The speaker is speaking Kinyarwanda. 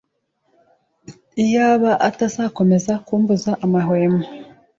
Iyaba atazakomeza kumbuza amahwemo